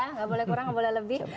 nggak boleh kurang boleh lebih